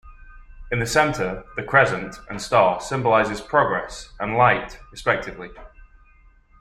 In the centre, the crescent and star symbolizes progress and light respectively.